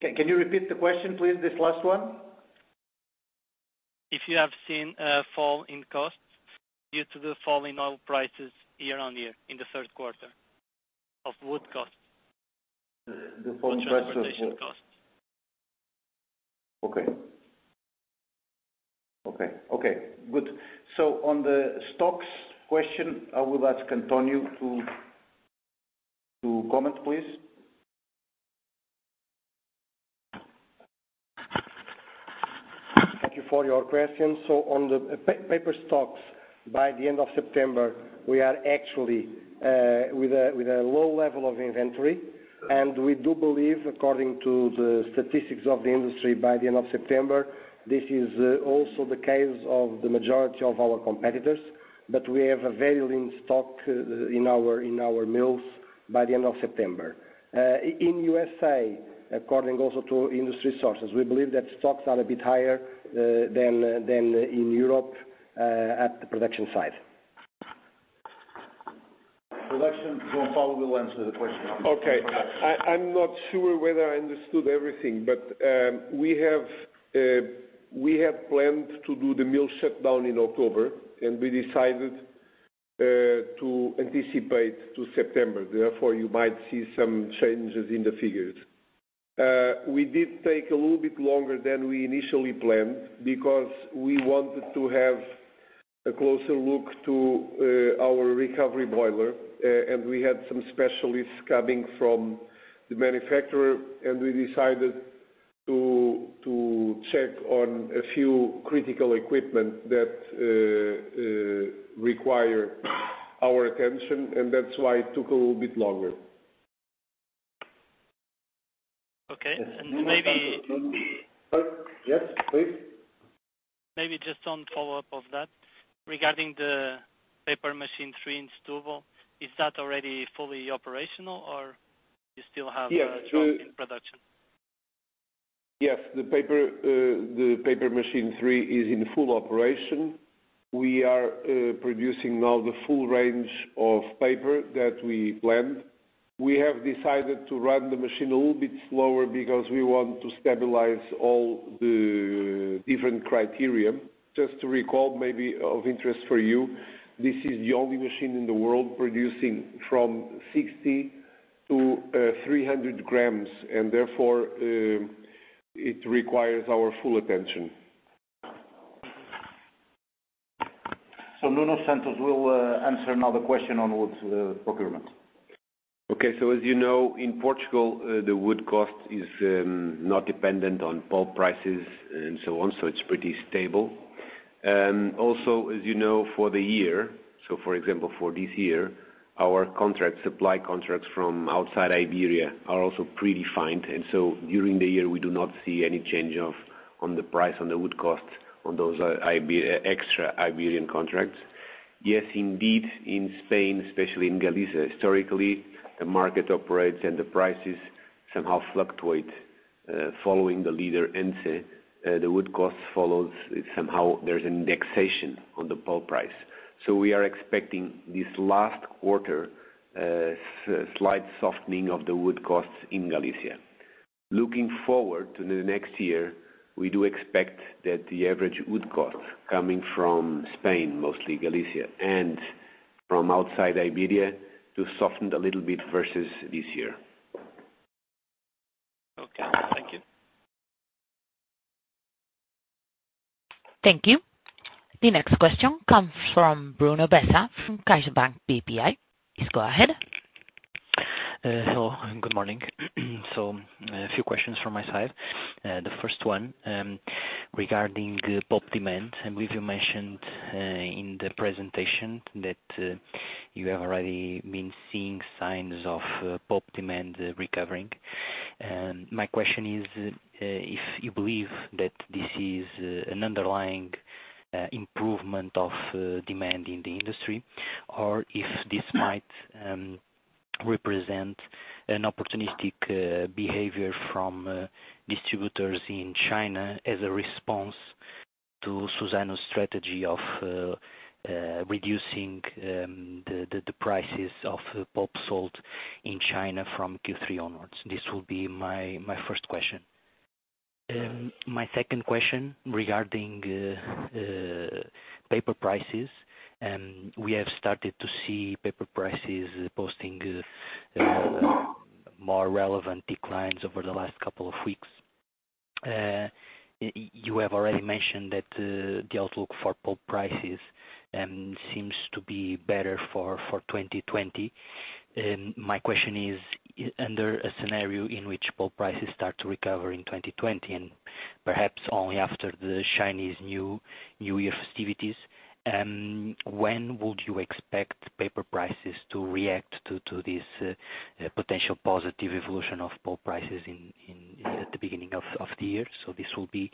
Can you repeat the question, please? This last one. If you have seen a fall in costs due to the fall in oil prices year on year in the third quarter of wood costs. The fall in price of wood-. Transportation costs. Okay. Okay. Okay, good. On the stocks question, I will ask António to comment, please. Thank you for your question. On the paper stocks, by the end of September, we are actually with a low level of inventory, we do believe, according to the statistics of the industry, by the end of September, this is also the case of the majority of our competitors, that we have a very lean stock in our mills by the end of September. In USA, according also to industry sources, we believe that stocks are a bit higher than in Europe, at the production site. Production. João Paulo will answer the question on production. Okay. I'm not sure whether I understood everything. We have planned to do the mill shutdown in October. We decided to anticipate to September. Therefore, you might see some changes in the figures. We did take a little bit longer than we initially planned because we wanted to have a closer look to our recovery boiler. We had some specialists coming from the manufacturer. We decided to check on a few critical equipment that require our attention. That's why it took a little bit longer. Okay. Yes, please. Maybe just on follow-up of that, regarding the paper machine three in Setúbal, is that already fully operational, or you still have some? Yes, the paper machine 3 is in full operation. We are producing now the full range of paper that we planned. We have decided to run the machine a little bit slower because we want to stabilize all the different criteria. Just to recall, maybe of interest for you, this is the only machine in the world producing from 60 to 300 grams, and therefore, it requires our full attention. Nuno Santos will answer another question on wood procurement. As you know, in Portugal, the wood cost is not dependent on pulp prices and so on, so it's pretty stable. Also, as you know, for the year, for example, for this year, our supply contracts from outside Iberia are also predefined. During the year, we do not see any change on the price, on the wood cost on those extra Iberian contracts. Yes, indeed, in Spain, especially in Galicia, historically, the market operates and the prices somehow fluctuate, following the leader. The wood cost follows. Somehow there's an indexation on the pulp price. We are expecting this last quarter, a slight softening of the wood costs in Galicia. Looking forward to the next year, we do expect that the average wood cost coming from Spain, mostly Galicia, and from outside Iberia to soften a little bit versus this year. Okay. Thank you. Thank you. The next question comes from Bruno Bessa from CaixaBank BPI. Please go ahead. Hello, good morning. A few questions from my side. The first one regarding the pulp demand. I believe you mentioned in the presentation that you have already been seeing signs of pulp demand recovering. My question is if you believe that this is an underlying improvement of demand in the industry or if this might represent an opportunistic behavior from distributors in China as a response to Suzano's strategy of reducing the prices of pulp sold in China from Q3 onwards. This will be my first question. My second question regarding paper prices, we have started to see paper prices posting more relevant declines over the last couple of weeks. You have already mentioned that the outlook for pulp prices seems to be better for 2020. My question is, under a scenario in which pulp prices start to recover in 2020 and perhaps only after the Chinese New Year festivities, when would you expect paper prices to react to this potential positive evolution of pulp prices at the beginning of the year? This will be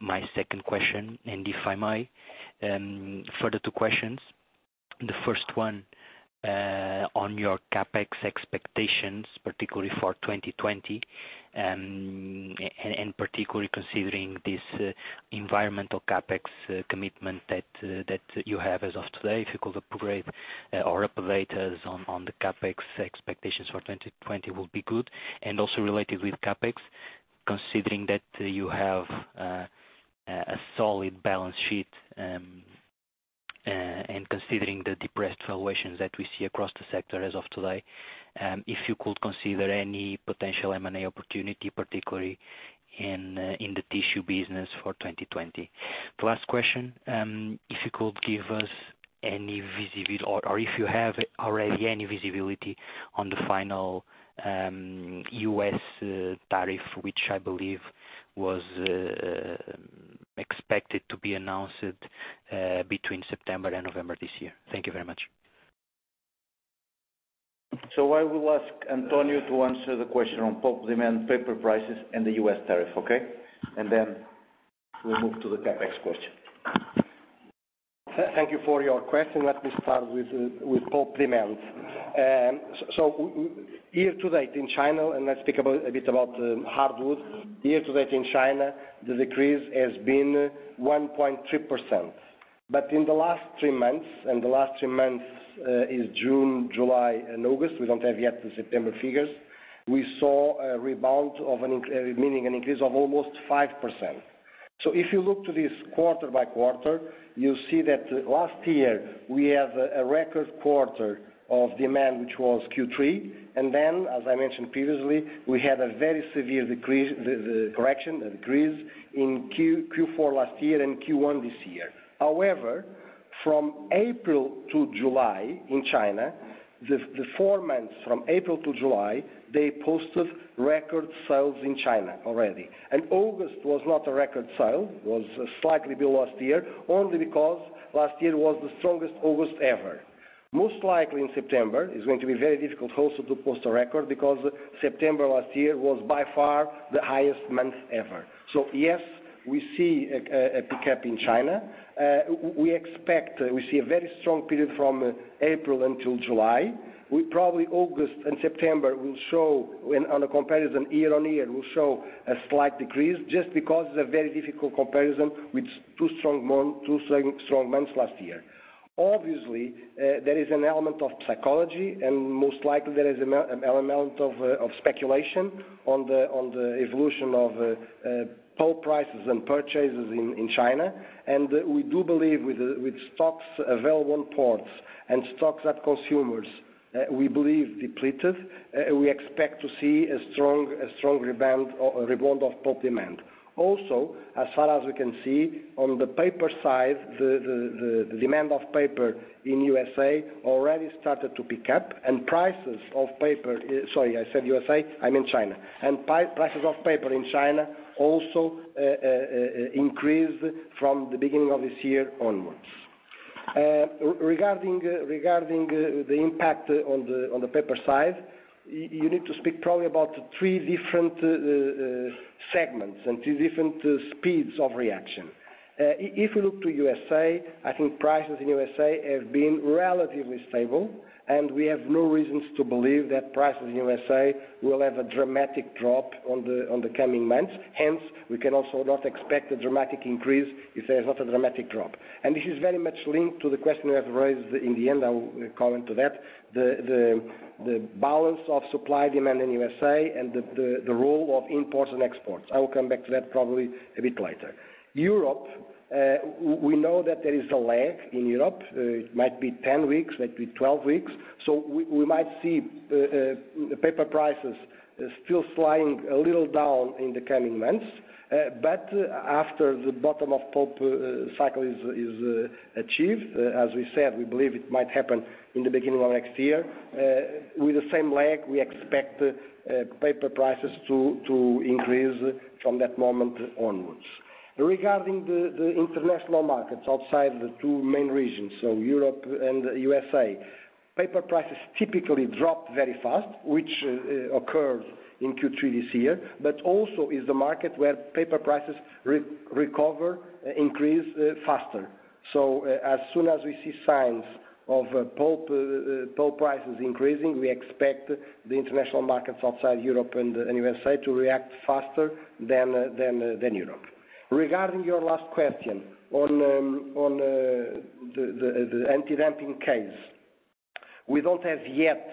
my second question. If I may, further two questions. The first one on your CapEx expectations, particularly for 2020, and particularly considering this environmental CapEx commitment that you have as of today. If you could upgrade or update us on the CapEx expectations for 2020 will be good. Also related with CapEx, considering that you have a solid balance sheet and considering the depressed valuations that we see across the sector as of today, if you could consider any potential M&A opportunity, particularly in the tissue business for 2020. The last question, if you could give us any visibility or if you have already any visibility on the final U.S. tariff, which I believe was expected to be announced between September and November this year. Thank you very much. I will ask António to answer the question on pulp demand, paper prices, and the U.S. tariff, okay? We'll move to the CapEx question. Thank you for your question. Let me start with pulp demand. Year to date in China, and let's speak a bit about hardwood. Year to date in China, the decrease has been 1.3%. In the last three months, and the last three months is June, July, and August, we don't have yet the September figures, we saw a rebound, meaning an increase of almost 5%. If you look to this quarter by quarter, you see that last year we have a record quarter of demand, which was Q3. As I mentioned previously, we had a very severe correction, a decrease in Q4 last year and Q1 this year. However, from April to July in China, the four months from April to July, they posted record sales in China already. August was not a record sale, was slightly below last year, only because last year was the strongest August ever. Most likely in September, it's going to be very difficult also to post a record because September last year was by far the highest month ever. Yes, we see a pickup in China. We expect we see a very strong period from April until July. We probably August and September will show, on a comparison year-on-year, will show a slight decrease just because it's a very difficult comparison with two strong months last year. Obviously, there is an element of psychology, and most likely there is an element of speculation on the evolution of pulp prices and purchases in China. We do believe with stocks available in ports and stocks at consumers, we believe depleted, we expect to see a strong rebound of pulp demand. As far as we can see on the paper side, the demand of paper in U.S. already started to pick up and prices of paper, sorry, I said U.S., I mean China. Prices of paper in China also increased from the beginning of this year onwards. Regarding the impact on the paper side, you need to speak probably about three different segments and three different speeds of reaction. If we look to U.S., I think prices in U.S. have been relatively stable, and we have no reasons to believe that prices in U.S. will have a dramatic drop on the coming months. Hence, we can also not expect a dramatic increase if there is not a dramatic drop. This is very much linked to the question you have raised in the end, I will comment to that, the balance of supply demand in USA and the role of imports and exports. I will come back to that probably a bit later. Europe, we know that there is a lag in Europe. It might be 10 weeks, might be 12 weeks. We might see paper prices still sliding a little down in the coming months. After the bottom of pulp cycle is achieved, as we said, we believe it might happen in the beginning of next year. With the same lag, we expect paper prices to increase from that moment onwards. Regarding the international markets outside the two main regions, Europe and USA, paper prices typically drop very fast, which occurs in Q3 this year, but also is the market where paper prices recover, increase faster. As soon as we see signs of pulp prices increasing, we expect the international markets outside Europe and USA to react faster than Europe. Regarding your last question on the anti-dumping case, we don't have yet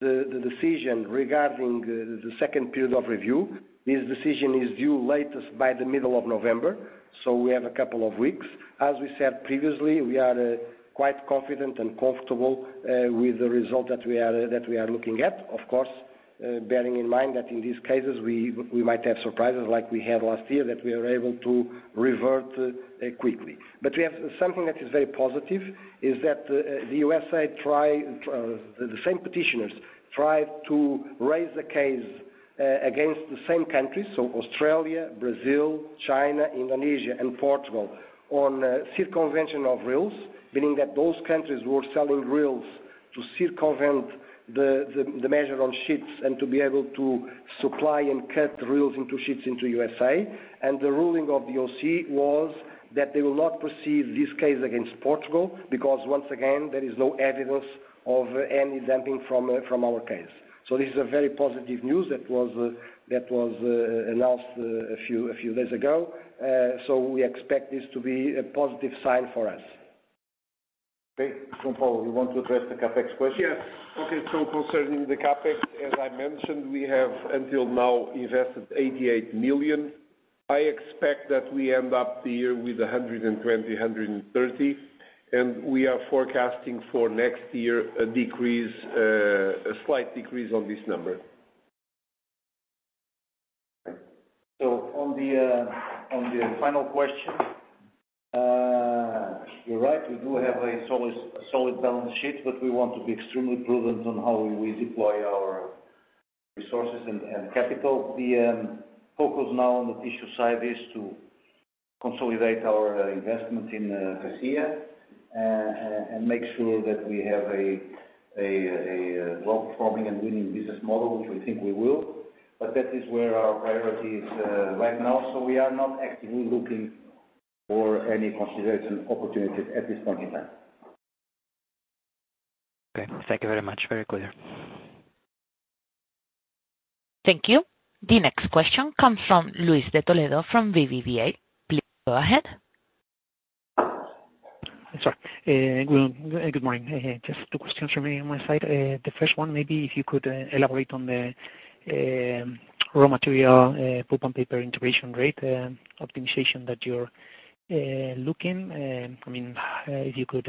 the decision regarding the second period of review. This decision is due latest by the middle of November, so we have a couple of weeks. As we said previously, we are quite confident and comfortable with the result that we are looking at. Of course, bearing in mind that in these cases, we might have surprises like we had last year, that we are able to revert quickly. We have something that is very positive is that the USA, the same petitioners tried to raise a case against the same countries, so Australia, Brazil, China, Indonesia and Portugal on circumvention of rules, meaning that those countries were selling rules to circumvent the measure on sheets and to be able to supply and cut rules into sheets into USA. The ruling of the DOC was that they will not proceed this case against Portugal because once again, there is no evidence of any dumping from our case. This is a very positive news that was announced a few days ago. We expect this to be a positive sign for us. Okay. João Paulo, you want to address the CapEx question? Yes. Okay, concerning the CapEx, as I mentioned, we have until now invested 88 million. I expect that we end up the year with 120 million, 130 million, we are forecasting for next year a slight decrease on this number. On the final question, you're right, we do have a solid balance sheet, but we want to be extremely prudent on how we deploy our resources and capital. The focus now on the tissue side is to consolidate our investment in Cacia and make sure that we have a well-performing and winning business model, which we think we will. That is where our priority is right now. We are not actively looking for any consolidation opportunities at this point in time. Okay. Thank you very much. Very clear. Thank you. The next question comes from Luis de Toledo from BBVA. Please go ahead. Sorry. Good morning. Just two questions from me on my side. The first one, maybe if you could elaborate on the raw material, pulp and paper integration rate optimization that you're looking. If you could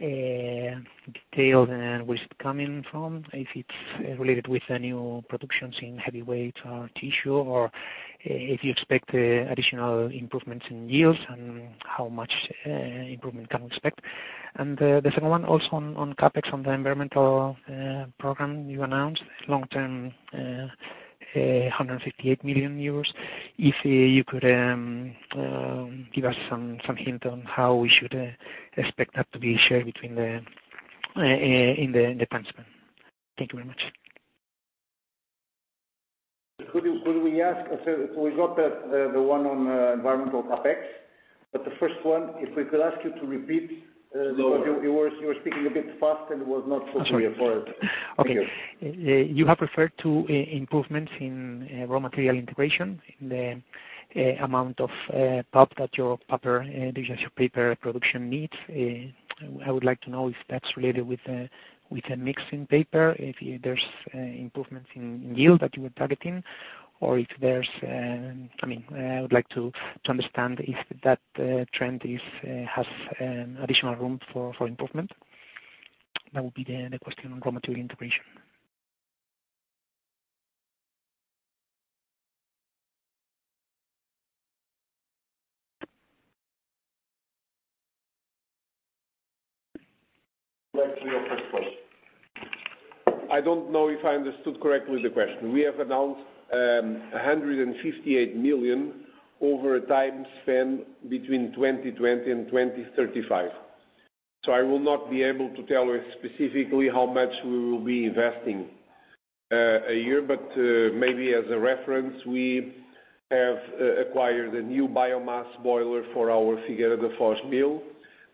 detail where is it coming from, if it's related with the new productions in heavyweight or tissue, or if you expect additional improvements in yields and how much improvement can we expect. The second one also on CapEx on the environmental program you announced, long-term 158 million euros. If you could give us some hint on how we should expect that to be shared in the time span. Thank you very much. Could we ask. We got the one on environmental CapEx. The first one, if we could ask you to repeat. Sure. You were speaking a bit fast, and it was not so clear for us. Thank you. Okay. You have referred to improvements in raw material integration in the amount of pulp that your digital paper production needs. I would like to know if that's related with a mix in paper, if there's improvements in yield that you are targeting, I would like to understand if that trend has additional room for improvement. That would be the question on raw material integration. Back to your first question. I don't know if I understood correctly the question. We have announced 158 million over a time span between 2020 and 2035. I will not be able to tell you specifically how much we will be investing a year. Maybe as a reference, we have acquired a new biomass boiler for our Figueira da Foz mill.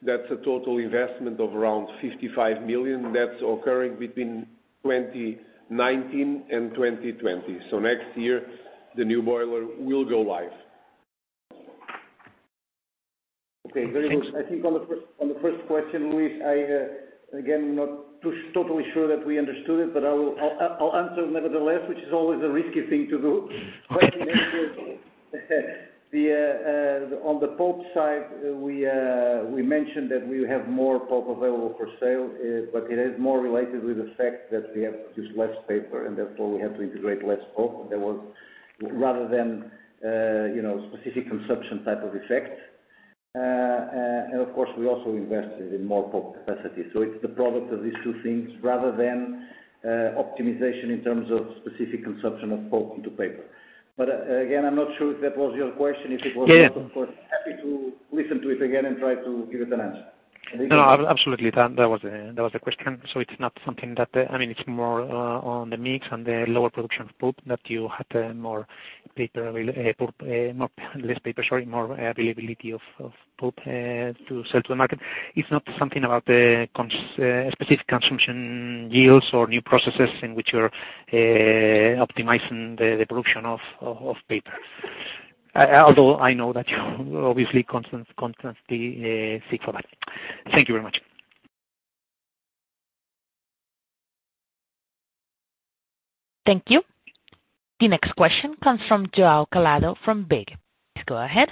That's a total investment of around 55 million that's occurring between 2019 and 2020. Next year the new boiler will go live. Okay, very good. I think on the first question, Luis, I again, am not totally sure that we understood it, but I'll answer nevertheless, which is always a risky thing to do. On the pulp side, we mentioned that we have more pulp available for sale. It is more related with the fact that we have to produce less paper and therefore we have to integrate less pulp, rather than specific consumption type of effect. Of course, we also invested in more pulp capacity. It's the product of these two things rather than optimization in terms of specific consumption of pulp into paper. Again, I'm not sure if that was your question. If it was not. Yeah Of course, happy to listen to it again and try to give it an answer. No, absolutely. That was the question. It's more on the mix and the lower production of pulp that you had more availability of pulp to sell to the market. It's not something about the specific consumption yields or new processes in which you're optimizing the production of paper. Although I know that you obviously constantly seek for that. Thank you very much. Thank you. The next question comes from João Calado from BiG. Please go ahead.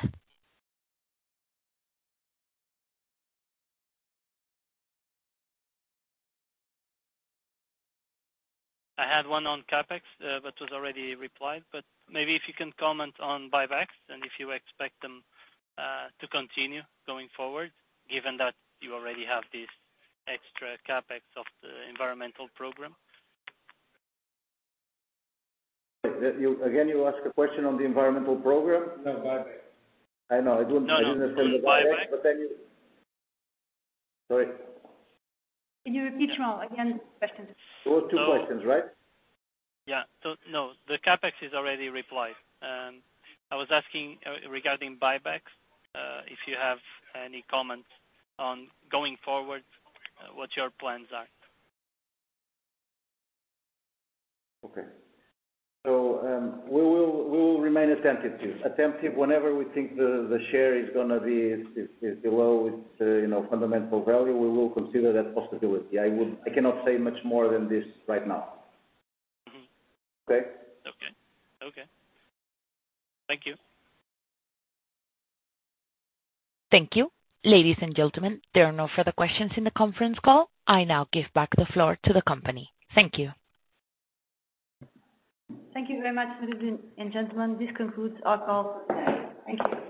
I had one on CapEx that was already replied, but maybe if you can comment on buybacks and if you expect them to continue going forward given that you already have this extra CapEx of the environmental program. Again, you ask a question on the environmental program? No, buyback. I know. I didn't understand the buyback. Sorry. Can you repeat, João, again, the question? There were two questions, right? Yeah. No, the CapEx is already replied. I was asking regarding buybacks, if you have any comments on going forward, what your plans are? Okay. We will remain attentive to. Whenever we think the share is below its fundamental value, we will consider that possibility. I cannot say much more than this right now. Okay? Okay. Thank you. Thank you. Ladies and gentlemen, there are no further questions in the conference call. I now give back the floor to the company. Thank you. Thank you very much, ladies and gentlemen. This concludes our call. Thank you.